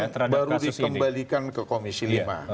ini perlu dikembalikan ke komisi lima